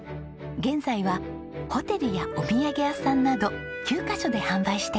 現在はホテルやお土産屋さんなど９カ所で販売しています。